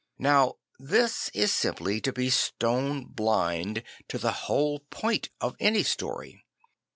Now this is simply to be stone blind to the whole point of any story.